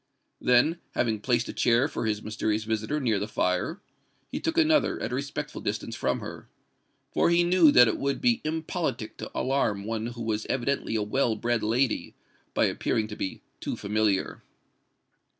Then, having placed a chair for his mysterious visitor near the fire, he took another at a respectful distance from her—for he knew that it would be impolitic to alarm one who was evidently a well bred lady, by appearing to be too familiar.